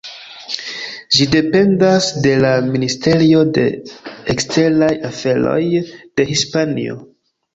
Ĝi dependas de la Ministerio de Eksteraj Aferoj de Hispanio.